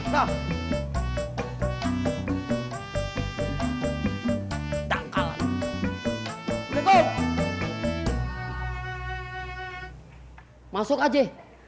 langkalan masuk aja